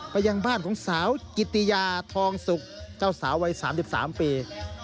ไปยังบ้านของสาวกิติยาทองสุกเจ้าสาววัย๓๓ปี